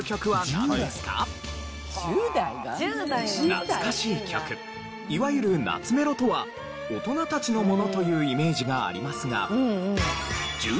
懐かしい曲いわゆる懐メロとは大人たちのものというイメージがありますが。